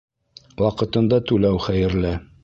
Ваҡытында түләү хәйерле